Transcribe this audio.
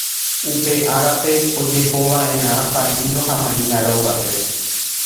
Upe árape ojehova'erã paíno ha maína rógape